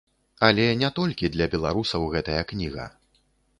Але не толькі для беларусаў гэтая кніга.